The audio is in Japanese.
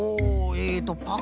えっと